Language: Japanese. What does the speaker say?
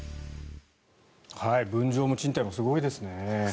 分譲も賃貸もすごいですね。